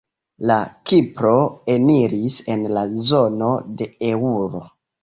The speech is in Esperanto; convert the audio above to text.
La Kipro eniris en la zono de eŭro.